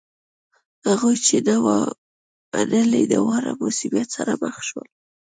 هغوی چې نه و منلی دواړه مصیبت سره مخ شول.